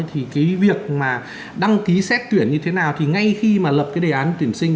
thì cái việc mà đăng ký xét tuyển như thế nào thì ngay khi mà lập cái đề án tuyển sinh